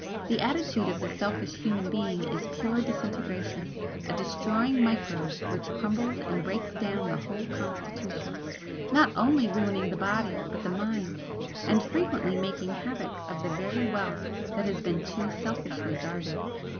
The attitude of the selfish human being is pure disintegration, a destroying microbe which crumbles and breaks down the whole constitution, not only ruining the body but the mind, and frequently making havoc of the very wealth that has been too selfishly guarded.